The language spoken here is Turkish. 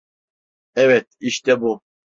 Evet, işte bu.